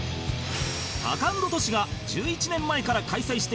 タカアンドトシが１１年前から開催しているライブ